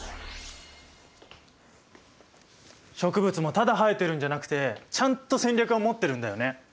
植物もただ生えてるんじゃなくてちゃんと戦略を持ってるんだよね。